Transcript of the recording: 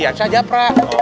yang syah japra